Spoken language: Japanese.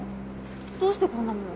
どうしてこんなもの。